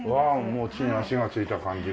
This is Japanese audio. もう地に足がついた感じで。